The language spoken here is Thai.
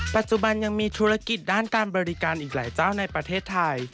ปัจจุบันยังมีธุรกิจด้านการบริการอีกหลายเจ้าในประเทศไทย